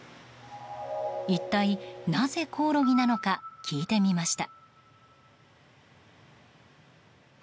一体なぜコオロギなのか聞いてみました。